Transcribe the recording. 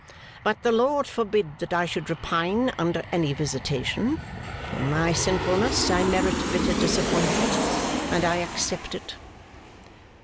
But the Lord forbid that I should repine under any visitation. In my sinfulness I merit bitter disappointment, and I accept it.